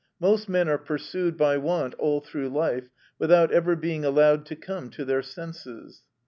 Most men are pursued by want all through life, without ever being allowed to come to their senses.